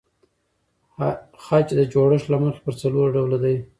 خج د جوړښت له مخه پر څلور ډوله دئ.